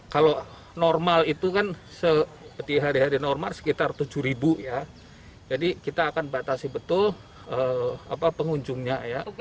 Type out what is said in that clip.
kalau normal itu kan seperti hari hari normal sekitar tujuh ribu ya jadi kita akan batasi betul pengunjungnya ya